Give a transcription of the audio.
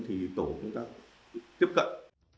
thì tổ chúng ta tiếp cận